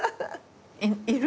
いる？